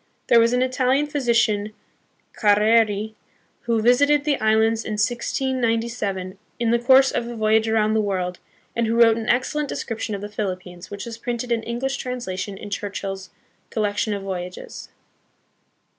There was an Italian physician, Carreri, who visited the islands in 1697, in the course of a voyage around the world, and who wrote an excellent description of the Philippines, which is printed in English translation in Churchill's Collection of Voyages.